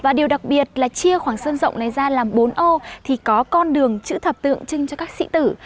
và điều đặc biệt là chia khoảng sơn rộng này ra làm bốn ô thì có con đường chữ thập tượng trưng cho các sĩ tử